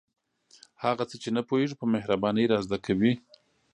هغه څه چې نه پوهیږو په مهربانۍ را زده کوي.